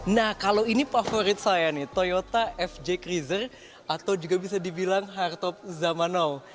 nah kalau ini favorit saya nih toyota fj creaser atau juga bisa dibilang hartop zamano